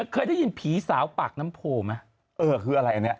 เคยได้ยินผีสาวปากน้ำโพไหมเออคืออะไรอันนี้